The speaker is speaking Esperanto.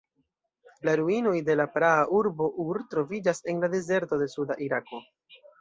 La ruinoj de la praa urbo Ur troviĝas en la dezerto de suda Irako.